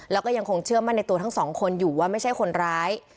แล้วก็ยังคงเชื่อมั่นในตัวทั้งสองคนอยู่ว่าไม่ใช่คนร้าย